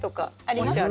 ありますか？